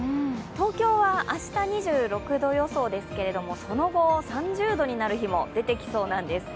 東京は明日２６度予想ですけれども、その後、３０度になる日も出てきそうなんです。